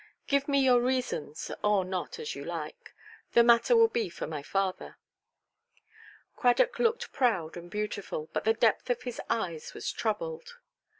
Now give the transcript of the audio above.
Give me your reasons, or not, as you like. The matter will be for my father". Cradock looked proud and beautiful. But the depth of his eyes was troubled.